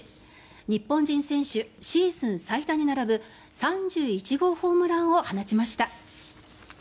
日本人選手シーズン最多に並ぶ３１号ホームランを放ちました。